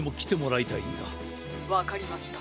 ☎わかりました。